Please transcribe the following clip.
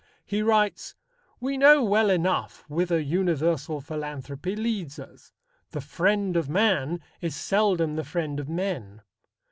He writes: We know well enough whither universal philanthropy leads us. The Friend of Man is seldom the friend of men.